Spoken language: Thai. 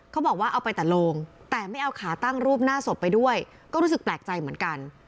เขาบอกว่าเอาไปแต่โรงแต่ไม่เอาขาตั้งรูปหน้าศพไปด้วยก็รู้สึกแปลกใจเหมือนกัน